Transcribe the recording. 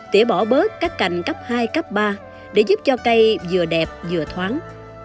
tỉa bỏ bớt các cành cấp hai cấp ba để giúp cho cây vừa đẹp vừa thoáng